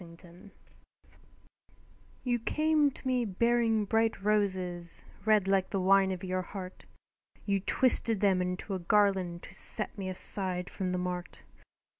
Crowned You came to me bearing bright roses, Red like the wine of your heart; You twisted them into a garland To set me aside from the mart.